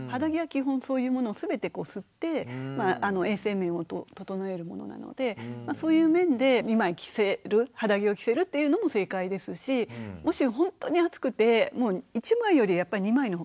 基本そういうものを全て吸って衛生面を整えるものなのでそういう面で２枚着せる肌着を着せるというのも正解ですしもしほんとに暑くて１枚よりやっぱり２枚の方が暑いんですよ。